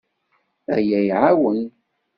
Aya iɛawen.